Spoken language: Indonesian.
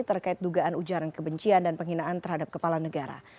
terkait dugaan ujaran kebencian dan penghinaan terhadap kepala negara